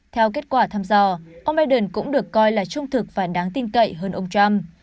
theo kết quả thăm dò ông biden cũng được coi là trung thực và đáng tin cậy hơn ông trump